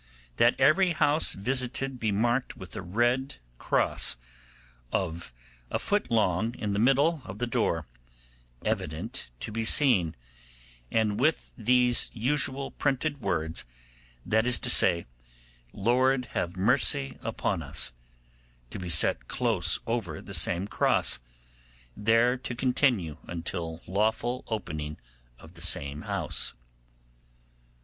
'That every house visited be marked with a red cross of a foot long in the middle of the door, evident to be seen, and with these usual printed words, that is to say, "Lord, have mercy upon us," to be set close over the same cross, there to continue until lawful opening of the same house.